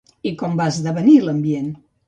I com va esdevenir l'ambient?